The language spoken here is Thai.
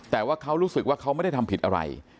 แต่ว่าเขารู้สึกว่าเขาไม่ได้ทำผิดอะไร